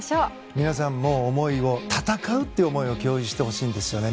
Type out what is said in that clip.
皆さんも戦うという思いを共有してほしいんですよね。